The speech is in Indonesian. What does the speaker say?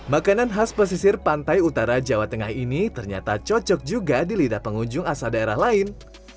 makanan khas pesisir pantai utara jawa tengah ini ternyata cocok juga di lidah pengunjung asal daerah lain